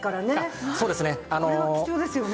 これは貴重ですよね。